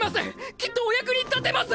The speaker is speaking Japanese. きっとお役に立てます！